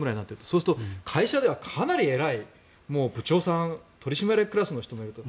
そうすると会社ではかなり偉い部長さん取締役クラスの人もいると。